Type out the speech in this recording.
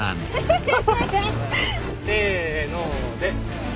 せので。